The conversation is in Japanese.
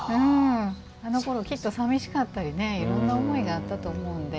あのころ、きっとさみしかったりいろんな思いがあったと思うんで。